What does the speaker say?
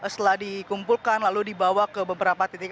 setelah dikumpulkan lalu dibawa ke beberapa titik